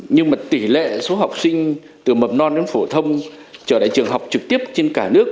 nhưng mà tỷ lệ số học sinh từ mầm non đến phổ thông trở lại trường học trực tiếp trên cả nước